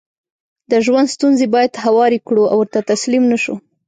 دژوند ستونزې بايد هوارې کړو او ورته تسليم نشو